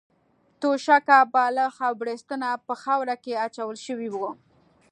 توشکه، بالښت او بړستنه په خاورو کې اچول شوې وې.